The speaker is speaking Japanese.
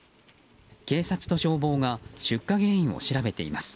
警察と消防が出火原因を調べています。